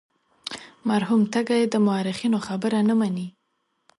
مرحوم تږی د مورخینو خبره نه مني.